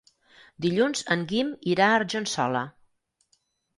Dilluns en Guim irà a Argençola.